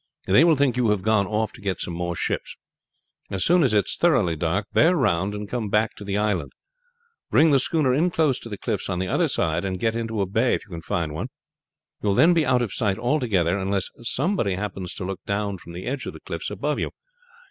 They will think you have gone off to get some more ships. As soon as it is thoroughly dark bear round and come back to the island; bring the schooner in close to the cliffs on the other side and get into a bay if you can find one. You will then be out of sight altogether unless somebody happens to look down from the edge of the cliffs above you.